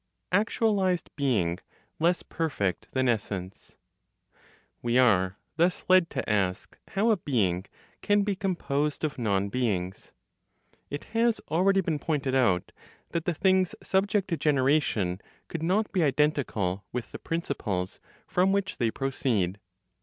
ACTUALIZED BEING LESS PERFECT THAN ESSENCE. We are thus led to ask how a being can be composed of non beings? It has already been pointed out that the things subject to generation could not be identical with the principles from which they proceed.